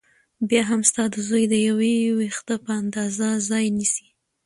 بيا هم ستا د زوى د يوه وېښته په اندازه ځاى نيسي .